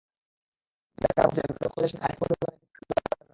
ঢাকার মতিঝিলে নটরডেম কলেজের সামনে হানিফ পরিবহনের একটি বাসে আগুন দেওয়ার ঘটনা ঘটেছে।